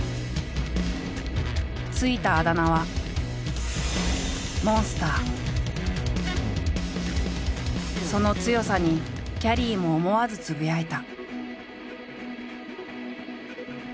付いたあだ名はその強さにきゃりーも思わずつぶやいた。